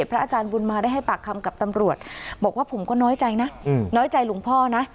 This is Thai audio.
อาจารย์บุญมาได้ให้ปากคำกับตำรวจบอกว่าผมก็น้อยใจนะน้อยใจหลวงพ่อนะ